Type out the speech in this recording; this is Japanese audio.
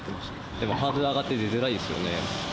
でもハードル上がって出づらいですよね。